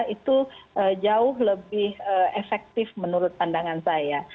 itu jauh lebih efektif menurut pandangan saya